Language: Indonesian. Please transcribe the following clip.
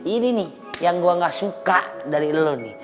ini nih yang gue gak suka dari lo nih